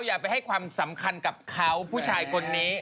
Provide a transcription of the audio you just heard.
อย่าไปให้ความสำคัญกับเขาผู้ชายคนนี้